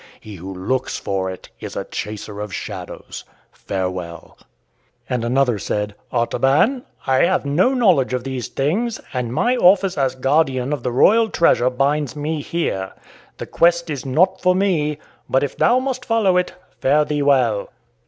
He who looks for it is a chaser of shadows. Farewell." And another said: "Artaban, I have no knowledge of these things, and my office as guardian of the royal treasure binds me here. The quest is not for me. But if thou must follow it, fare thee well."